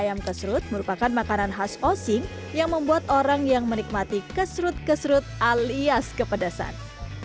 ayam kesrut merupakan makanan khas osing yang membuat orang yang menikmati kesrut kesrut alias kepedasan